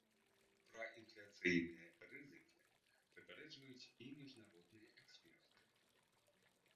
Пра інфляцыйныя рызыкі папярэджваюць і міжнародныя эксперты.